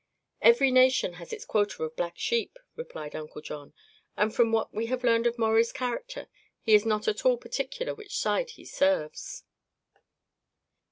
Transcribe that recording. "Every nation has its quota of black sheep," replied Uncle John, "and from what we have learned of Maurie's character he is not at all particular which side he serves."